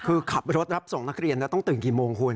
คือขับรถรับส่งนักเรียนแล้วต้องตื่นกี่โมงคุณ